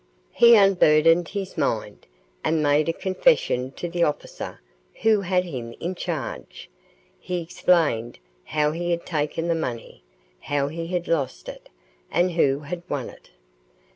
He unburdened his mind, and made a confession to the officer who had him in charge. He explained how he had taken the money, how he had lost it, and who had won it.